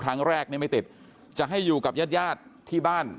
ครั้งแรกเนี่ยไม่ติดจะให้อยู่กับญาติญาติที่บ้าน